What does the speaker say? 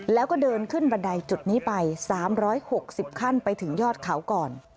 แล้วก็เดินขึ้นบันไดจุดนี้ไป๓๖๐ขั้นไปถึงยอดเขาก่อน